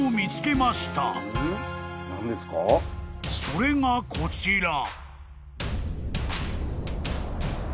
［それがこちら］